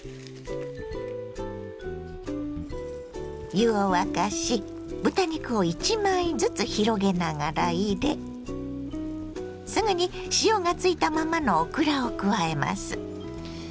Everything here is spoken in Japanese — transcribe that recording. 湯を沸かし豚肉を１枚ずつ広げながら入れすぐに塩がついたままのオクラを加えます。